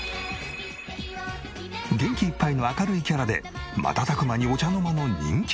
元気いっぱいの明るいキャラで瞬く間にお茶の間の人気者に。